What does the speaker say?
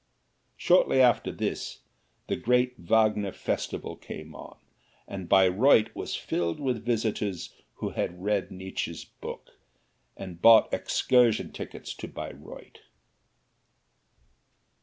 Shortly after this, the great Wagner festival came on, and Bayreuth was filled with visitors who had read Nietzsche's book, and bought excursion tickets to Bayreuth.